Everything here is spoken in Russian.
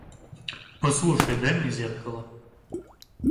Послушай, дай мне зеркало.